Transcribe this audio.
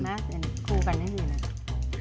ดีมากเห็นครูกันนี่ดีนะครับ